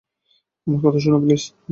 আমার কথা শুনো, প্লিজ!